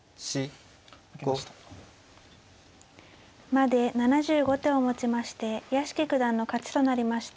まで７５手をもちまして屋敷九段の勝ちとなりました。